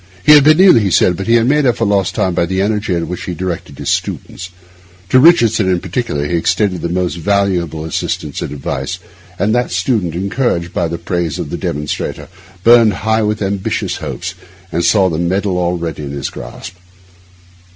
He had been ill, he said; but he made up for lost time by the energy with which he directed the students. To Richardson in particular he extended the most valuable assistance and advice, and that student, encouraged by the praise of the demonstrator, burned high with ambitious hopes, and saw the medal already in his grasp.